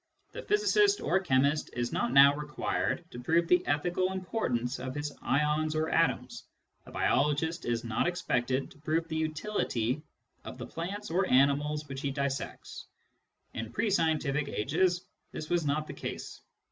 The physicist or chemist is not now required to prove the ethical import ance of his ions or atoms ; the biologist is not expected to prove the utility of the plants or animals which he dissects. In pre scientific ages this was not the case.